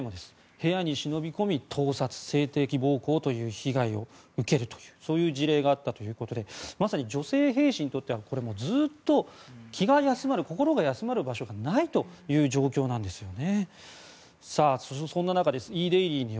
部屋に忍び込み盗撮、性的暴行という被害を受けるというそういう事例があったということでまさに女性兵士にとってはずっと気が休まる、心が休まる場所がないという状況なんですよね。